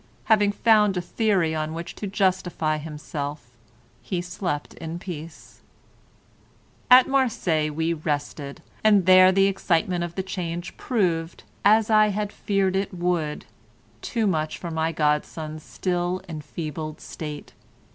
Having found a theory on which to justify himself, he slept in peace. At Marseilles we rested, and there the excitement of the change proved, as I had half feared it would, too much for my godson's still enfeebled state.